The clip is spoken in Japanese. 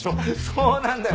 そうなんだよ。